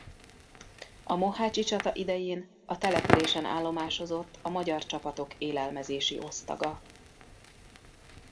A mohácsi csata idején a településen állomásozott a magyar csapatok élelmezési osztaga.